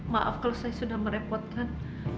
maaf kalau saya sudah merepotkan